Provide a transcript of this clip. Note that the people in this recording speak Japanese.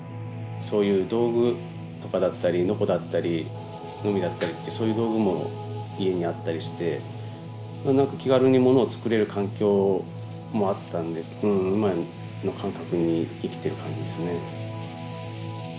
そういう道具とかだったりノコだったりノミだったりってそういう道具も家にあったりして気軽にものを作れる環境もあったんで今の感覚に生きてる感じですね。